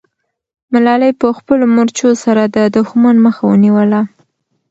ملالۍ په خپلو مرچو سره د دښمن مخه ونیوله.